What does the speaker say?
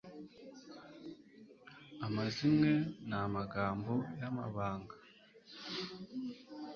amazimwe n'amagambo y'amabanga